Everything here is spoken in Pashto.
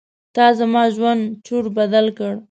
تا زما ژوند چور بدل کړ.